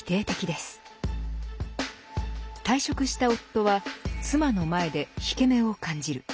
退職した夫は妻の前で引け目を感じる。